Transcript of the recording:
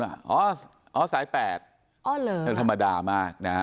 อั๊วอ่อสายแปดเอ้าเหรอมันธรรมดามากนะครับ